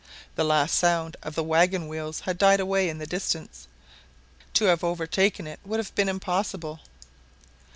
The last sound of the waggon wheels had died away in the distance; to have overtaken it would have been impossible.